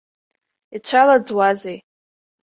Ицәалаӡуазеи?